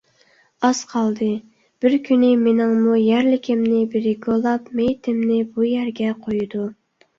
ئاز قالدى، بىر كۈنى مېنىڭمۇ يەرلىكىمنى بىرى كولاپ، مېيىتىمنى بۇ يەرگە قويىدۇ.